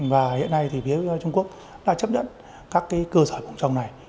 và hiện nay thì phía trung quốc đã chấp nhận các cái cơ sở mẫu mẫu này